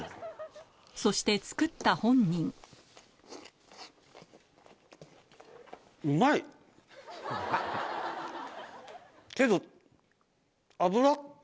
そして作った本人けど。